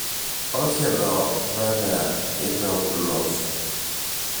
Όχι εδώ, βέβαια, είπε ο κουλός.